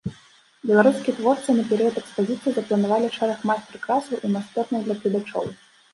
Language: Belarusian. Беларускія творцы на перыяд экспазіцыі запланавалі шэраг майстар-класаў і майстэрняў для гледачоў.